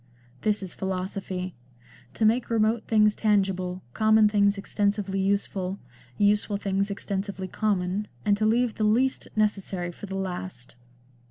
... This is philo sophy : to make remote things tangible, common things extensively useful ; useful things extensively common, and to leave the least necessary for the last."